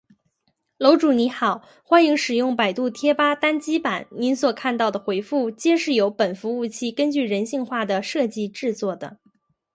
楼主你好：欢迎使用百度贴吧单机版！您所看到的回复，皆是由本服务器根据人性化的设计制作的